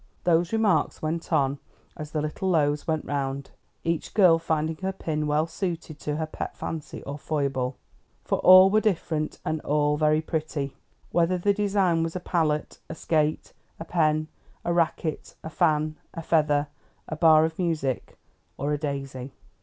These remarks went on as the little loaves went round, each girl finding her pin well suited to her pet fancy or foible; for all were different, and all very pretty, whether the design was a palette, a skate, a pen, a racquet, a fan, a feather, a bar of music, or a daisy.